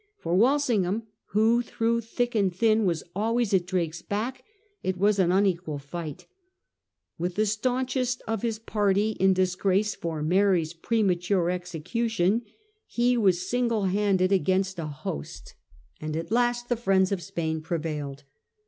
For Walsingham, who, through thick and thin, was always at Drake's back, it was an unequal fight; with the staunchest of his party in disgrace for Mary's prema ture execution, he was single handed against a host. ii8 SIR FRANCIS DRAKE chap. ■ and at last the friends of Spain prevailed.